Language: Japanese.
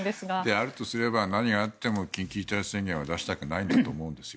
あるとすれば何があっても緊急事態宣言は出したくないんだと思うんですよ